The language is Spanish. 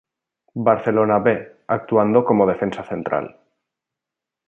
Barcelona B actuando como defensa central.